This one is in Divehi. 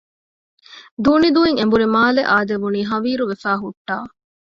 ދޫނިދޫއިން އެނބުރި މާލެ އާދެވުނީ ހަވީރުވެފައި ހުއްޓާ